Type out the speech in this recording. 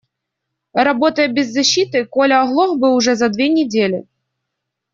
Работая без защиты, Коля оглох бы уже за две недели.